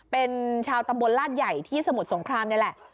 เป็นชาวตำบลลาดใหญ่ที่สมุทรสงครามนี่แหละ